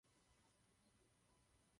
Švýcarsko a Belgie ukázaly, že je to možné.